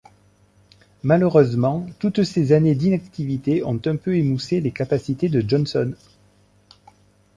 Malheureusement, toutes ces années d'inactivité ont un peu émoussé les capacités de Johnson...